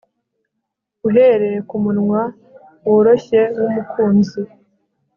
uhereye kumunwa woroshye wumukunzi